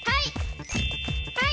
はい！